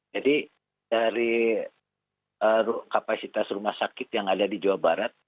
jadi dari kapasitas rumah sakit yang ada di jawa barat